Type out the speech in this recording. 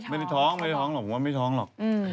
ไม่ได้ท้องไม่ได้ท้องหรอกผมว่าไม่ท้องหรอก